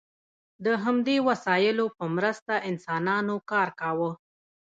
د همدې وسایلو په مرسته انسانانو کار کاوه.